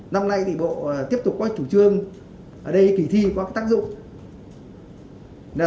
năm nay thì bộ tiếp tục có chủ trương ở đây kỳ thi có tác dụng